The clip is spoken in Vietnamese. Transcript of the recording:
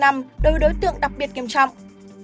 hai mươi năm đối với đối tượng đặc biệt nghiêm trọng